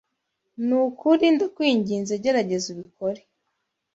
Ni ukuri ndakwinginze gerageza ubikore